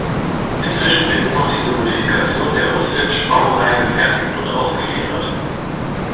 Inzwischen wird nur noch diese Modifikation der Russitsch-Baureihe gefertigt und ausgeliefert.